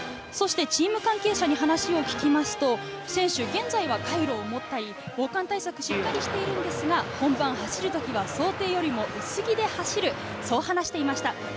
そしてチーム関係者に話を聞きますと、選手、現在はカイロを持ったり、防寒対策をしているんですが、本番走るときは想定よりも薄着で走る、そう話していました。